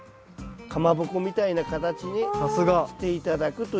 かまぼこみたいな形にして頂くという。